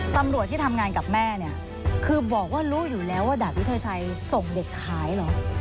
ตำรวจที่ทำงานกับแม่เนี่ยคือบอกว่ารู้อยู่แล้วว่าดาบยุทธชัยส่งเด็กขายเหรอ